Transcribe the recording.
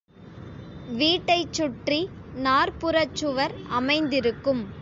வீட்டைச் சுற்றி நாற்புறச் சுவர் அமைந்திருக்கும்.